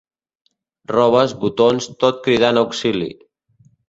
Robes botons tot cridant auxili.